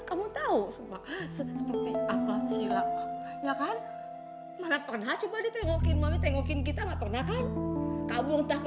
kamu harus sadar kalau adriana ini masih abg